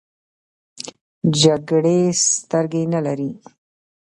جګړې سترګې نه لري .